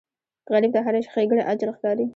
غریب ته هره ښېګڼه اجر ښکاري